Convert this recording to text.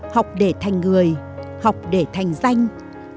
học để thành người học để thành danh học để xây dựng một miền quê